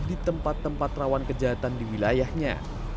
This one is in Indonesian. di tempat tempat rawan kejahatan di wilayahnya